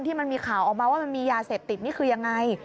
ที่มีข่าวออกมาว่ามันมียาเสพติดนี่คือยังไง